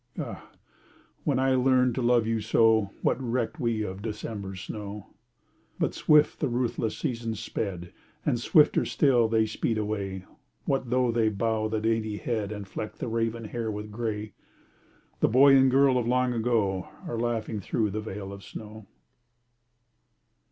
Ah! when I learned to love you so What recked we of December's snow? But swift the ruthless seasons sped And swifter still they speed away. What though they bow the dainty head And fleck the raven hair with gray? The boy and girl of long ago Are laughing through the veil of snow.